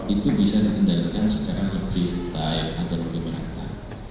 itu bisa dikendalikan secara lebih baik atau lebih merata